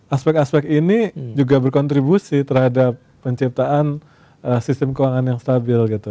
aspek aspek ini juga berkontribusi terhadap penciptaan sistem keuangan yang stabil gitu